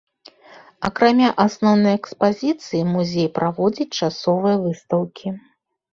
Акрамя асноўнай экспазіцыі музей праводзіць часовыя выстаўкі.